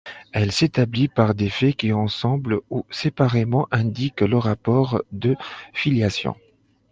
Elle s’établit par des faits qui, ensemble ou séparément, indiquent le rapport de filiation.